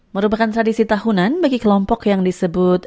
merupakan tradisi tahunan bagi kelompok yang disebut